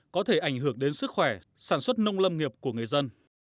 có thể ảnh hưởng đến sức khỏe sản xuất nông lâm nghiệp của người dân